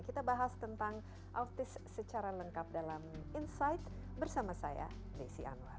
kita bahas tentang autis secara lengkap dalam insight bersama saya desi anwar